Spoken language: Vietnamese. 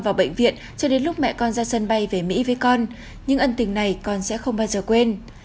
vào bệnh viện cho đến lúc mẹ con ra sân bay về mỹ với con nhưng ân tình này con sẽ không bao giờ quên